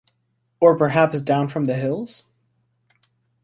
Or perhaps down from the hills?